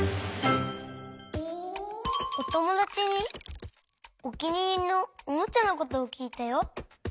おともだちにおきにいりのおもちゃのことをきいたよ。